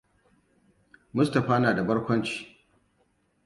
Mustapha na da barkwanci.